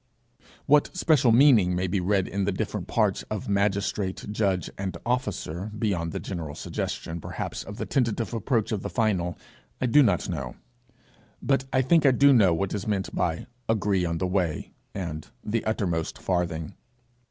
What special meaning may be read in the different parts of magistrate, judge, and officer, beyond the general suggestion, perhaps, of the tentative approach of the final, I do not know; but I think I do know what is meant by 'agree on the way,' and 'the uttermost farthing.'